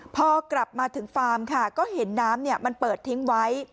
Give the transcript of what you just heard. พอกลับมาถึงฟาร์มค่ะก็เห็นน้ำมันเปิดทิ้งไว้